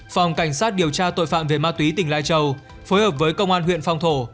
phòng cảnh sát điều tra tội phạm về ma túy tỉnh lai châu phối hợp với công an huyện phong thổ